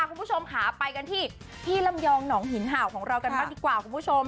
คุณผู้ชมค่ะไปกันที่พี่ลำยองหนองหินเห่าของเรากันบ้างดีกว่าคุณผู้ชม